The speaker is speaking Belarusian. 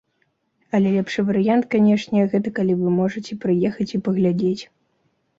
Але лепшы варыянт, канечне, гэта калі вы можаце прыехаць і паглядзець.